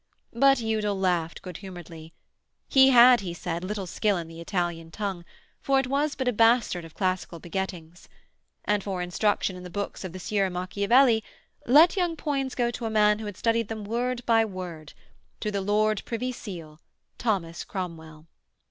But Udal laughed good humouredly. He had, he said, little skill in the Italian tongue, for it was but a bastard of classical begettings. And for instruction in the books of the Sieur Macchiavelli, let young Poins go to a man who had studied them word by word to the Lord Privy Seal, Thomas Cromwell.